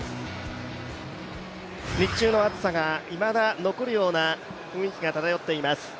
日中の暑さがいまだ残るような雰囲気が漂っています。